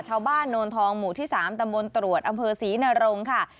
ชาวบ้านโนนทองหมู่ที่๓ตะมนตรวจอำเภอศรีนรงค์ค่ะ